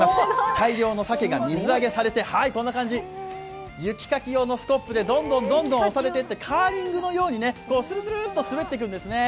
大量の鮭が水揚げされて、こんな感じ、雪かき用のスコップでどんどんどんどん押されていって、カーリングのようにスルスルっと全ていくんですね。